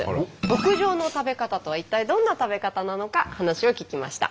極上の食べ方とは一体どんな食べ方なのか話を聞きました。